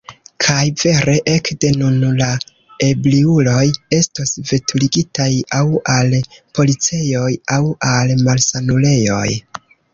Kaj vere: ekde nun la ebriuloj estos veturigitaj aŭ al policejoj aŭ al malsanulejoj.